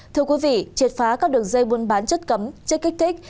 thưa quý vị triệt phá các đường dây buôn bán chất cấm chất kích thích